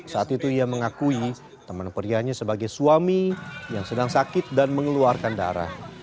saat itu ia mengakui teman prianya sebagai suami yang sedang sakit dan mengeluarkan darah